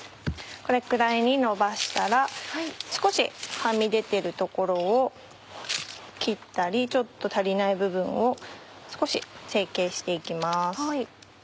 これくらいにのばしたら少しはみ出てる所を切ったりちょっと足りない部分を少し成形して行きます。